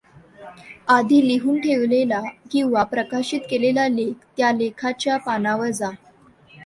आधी लिहून ठेवलेला किंवा प्रकाशित केलेला लेख त्या लेखाच्या पानावर जा.